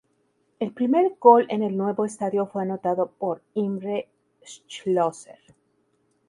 El primer gol en el nuevo estadio fue anotado por Imre Schlosser.